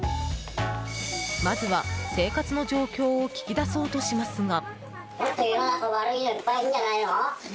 まずは、生活の状況を聞き出そうとしますが。